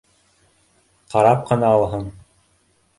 Ҡарап ҡына алһын